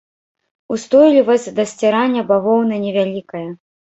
Устойлівасць да сцірання бавоўны невялікая.